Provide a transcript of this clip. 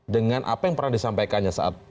dengan apa yang pernah disampaikannya saat